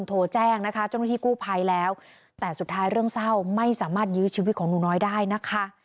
โทรแจ้งนะคะเจ้าหน้าที่กู้ภัยแล้วแต่สุดท้ายเรื่องเศร้าไม่สามารถยื้อชีวิตของหนูน้อยได้นะคะ